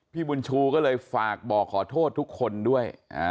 บุญชูก็เลยฝากบอกขอโทษทุกคนด้วย